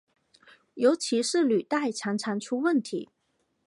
尤其是履带常常出问题。